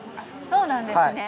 そうなんですね。